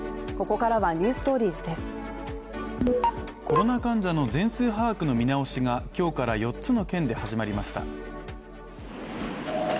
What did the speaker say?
コロナ患者の全数把握の見直しが今日から４つの県で始まりました。